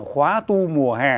khóa tu mùa hè